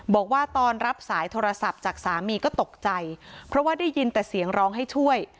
บอกว่าตอนรับสายโทรศัพท์จากสามีก็ตกใจเพราะว่าได้ยินแต่เสียงร้องให้ช่วย